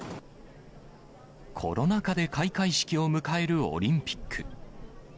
コロナ禍で開会式を迎えるオリンピック。